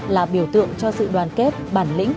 là biểu tượng cho sự đoàn kết bản lĩnh